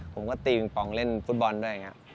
ผมก็ตีปิงปองเล่นฟุตบอลด้วยอย่างนี้